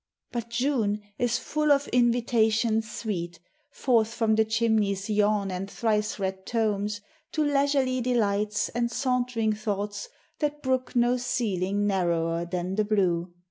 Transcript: But June is full of invitations sweet, Forth from the chimney's yawn and thrice read tomes To leisurely delights and sauntering thoughts That brook no ceiling narrower than the blue.